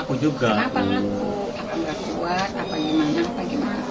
apakah tidak kuat apa yang mana